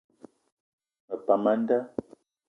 Me pam a nda.